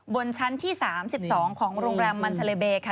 บนชั้นที่๓๒ของโรงแรมมันทะเลเบค่ะ